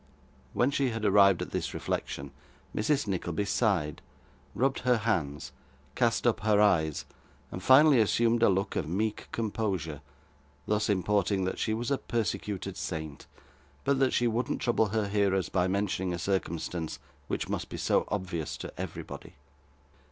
When she had arrived at this reflection, Mrs. Nickleby sighed, rubbed her hands, cast up her eyes, and finally assumed a look of meek composure; thus importing that she was a persecuted saint, but that she wouldn't trouble her hearers by mentioning a circumstance which must be so obvious to everybody.